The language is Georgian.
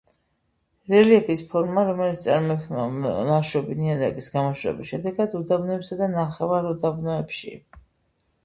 რელიეფის ფორმა, რომელიც წარმოიქმნება მლაშობი ნიადაგის გამოშრობის შედეგად უდაბნოებსა და ნახევარუდაბნოებში.